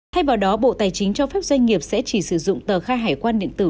thay vào đó bộ tài chính cho phép doanh nghiệp sẽ chỉ sử dụng tờ khai hải quan điện tử